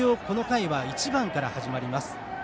この回は１番から始まります。